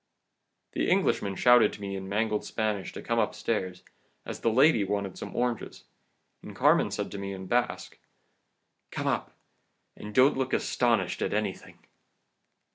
"The Englishman shouted to me in mangled Spanish to come upstairs, as the lady wanted some oranges, and Carmen said to me in Basque: "'Come up, and don't look astonished at anything!